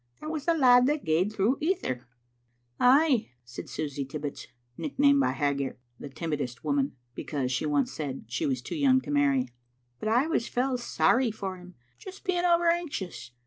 "That was the lad that gaed through ither." "Ay," said Susy Tibbits, nicknamed by Haggart "the Timidest Woman" because she once said she was too young to marry, " but I was fell sorry for him, just being over anxious.